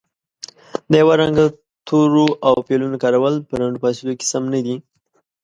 د یو رنګه تورو او فعلونو کارول په لنډو فاصلو کې سم نه دي